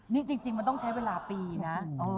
นี่จริงมันต้องใช้เวลาปีนะ